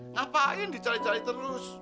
ngapain dicari cari terus